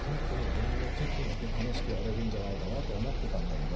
ほんのちょっとだけ楽しくやれるんじゃないかなと思ってたんだけど。